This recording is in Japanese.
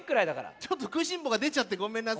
ちょっとくいしんぼうがでちゃってごめんなさい。